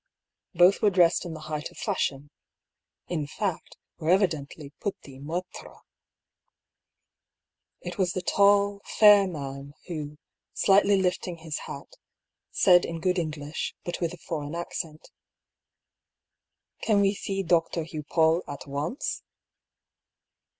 Both were dressed in the height of fashion; in fact, were evidently petits maitres. It was the tall, fair man who, slightly lifting his hat, said in good English, but with a foreign accent :" Can we see Dr. Hugh Paull at once